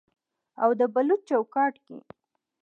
او د بلوط چوکاټ کې